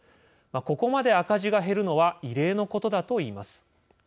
ここまで赤字が減るのは異例のことだといいます。